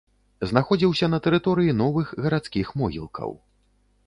Знаходзіўся на тэрыторыі новых гарадскіх могілкаў.